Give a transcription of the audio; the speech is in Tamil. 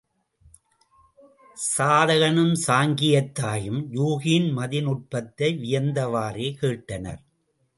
சாதகனும் சாங்கியத் தாயும் யூகியின் மதிநுட்பத்தை வியந்தவாறே கேட்டனர்.